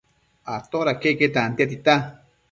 Atoda queque tantia tita